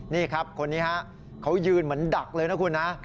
นี่ครับคนนี้ฮะเขายืนเหมือนดักเลยนะคุณนะ